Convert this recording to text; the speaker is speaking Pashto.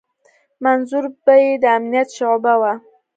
منظور به يې د امنيت شعبه وه.